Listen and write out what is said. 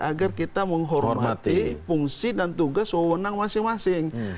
agar kita menghormati fungsi dan tugas wawonan masing masing